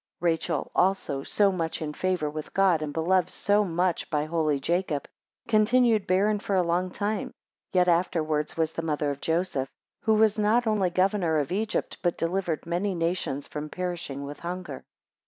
7 Rachel, also, so much in favour with God, and beloved so much by holy Jacob, continued barren for a long time, yet afterwards was the mother of Joseph, who was not only governor of Egypt, but delivered many nations from perishing with hunger.